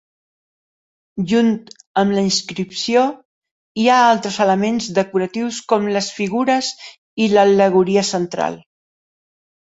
Junt amb la inscripció, hi ha altres elements decoratius com les figures i l'al·legoria central.